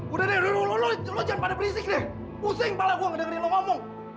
udah deh udah lo jangan pada berisik deh pusing kepala gue ngedengerin lo ngomong